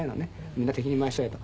みんな敵に回しちゃえと。